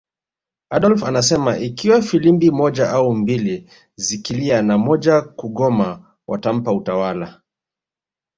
Adolf anasema ikiwa filimbi moja au mbili zikilia na moja kugoma watampa utawala